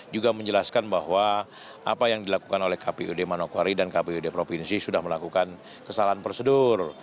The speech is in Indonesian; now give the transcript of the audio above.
juga menjelaskan bahwa apa yang dilakukan oleh kpud manokwari dan kpud provinsi sudah melakukan kesalahan prosedur